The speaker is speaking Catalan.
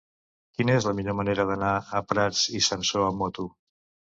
Quina és la millor manera d'anar a Prats i Sansor amb moto?